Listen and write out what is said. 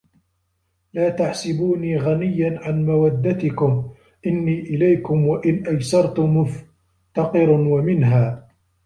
لَا تَحْسَبُونِي غَنِيًّا عَنْ مَوَدَّتِكُمْ إنِّي إلَيْكُمْ وَإِنْ أَيَسَرْتُ مُفْتَقِرُ وَمِنْهَا